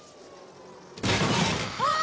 あっ！